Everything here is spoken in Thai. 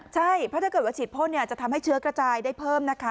ใช่เพราะถ้าเกิดว่าฉีดพ่นจะทำให้เชื้อกระจายได้เพิ่มนะคะ